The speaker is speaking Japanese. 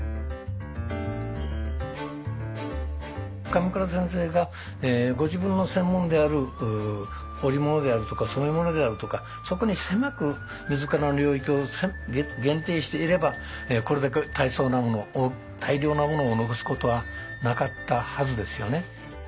鎌倉先生がご自分の専門である織物であるとか染物であるとかそこに狭く自らの領域を限定していればこれだけ大層なものを大量なものを残すことはなかったはずですよね。